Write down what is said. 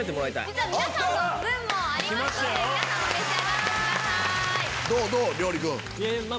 実は皆さんの分もありますので皆さんも召し上がってください。